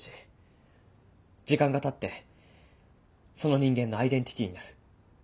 時間がたってその人間のアイデンティティーになる。